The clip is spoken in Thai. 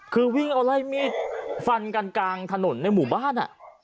คือวิ่งเอาไล่มีดฟันกันกลางถนนในหมู่บ้าน